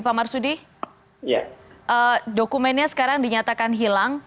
pak marsudi dokumennya sekarang dinyatakan hilang